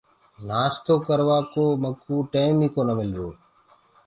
نآستو ڪروآ ڪو مڪوُ ٽيم ئي ڪونآ مِلرو۔